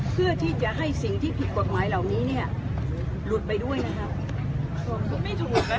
เพื่อที่จะให้สิ่งที่ผิดกฎหมายเหล่านี้เนี่ยหลุดไปด้วยนะครับ